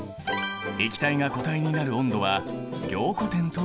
液体が固体になる温度は凝固点という。